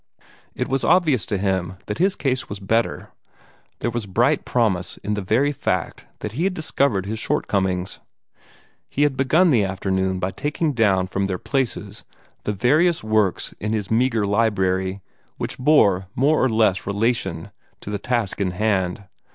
It was obvious to him that his case was better. There was bright promise in the very fact that he had discovered his shortcomings. He had begun the afternoon by taking down from their places the various works in his meagre library which bore more or less relation to the task in hand.